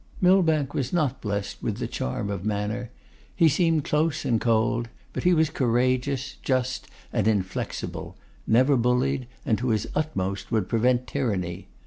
Millbank was not blessed with the charm of manner. He seemed close and cold; but he was courageous, just, and inflexible; never bullied, and to his utmost would prevent tyranny.